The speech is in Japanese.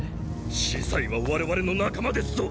司祭は我々の仲間ですぞ！